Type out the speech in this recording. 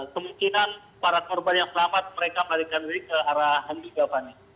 kemungkinan para korban yang selamat mereka balikkan ke arah nduga fani